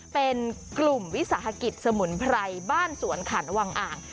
เป็นกลุ่มวิสาหกิจสมุนไพรบ้านสวนขันวังอ่าง